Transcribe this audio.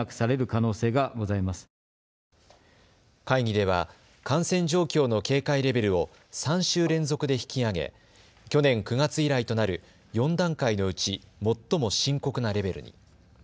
会議では感染状況の警戒レベルを３週連続で引き上げ、去年９月以来となる４段階のうち最も深刻なレベルに。